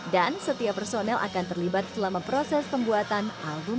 dan setiap personel akan terlibat selama proses pembuatan album